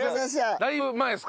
だいぶ前ですか？